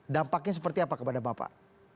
dampaknya seperti apa kepada bapak